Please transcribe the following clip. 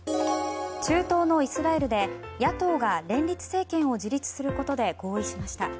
中東のイスラエルで野党が連立政権を樹立することで合意しました。